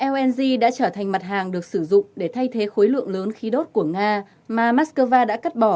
lng đã trở thành mặt hàng được sử dụng để thay thế khối lượng lớn khí đốt của nga mà moscow đã cắt bỏ